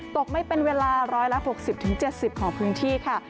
ตกไม่เป็นเวลาร้อยละ๖๐๗๐ของพื้นที่ค่ะ